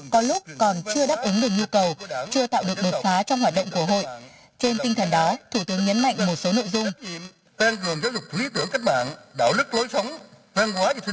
có lúc còn chưa đáp ứng được nhu cầu chưa tạo được đột phá trong hoạt động của hội